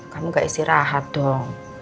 kamu gak istirahat dong